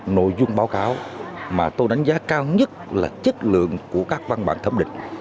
nội dung báo cáo mà tôi đánh giá cao nhất là chất lượng của các văn bản thấm định